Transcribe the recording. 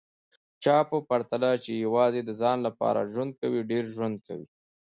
چا په پرتله چي یوازي د ځان لپاره ژوند کوي، ډېر ژوند کوي